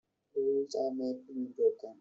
Rules are made to be broken.